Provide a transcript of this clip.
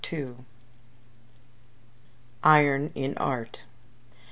IRON IN ART.